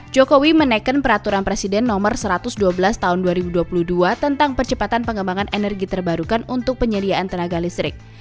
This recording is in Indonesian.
jokowi menaikkan peraturan presiden no satu ratus dua belas tahun dua ribu dua puluh dua tentang percepatan pengembangan energi terbarukan untuk penyediaan tenaga listrik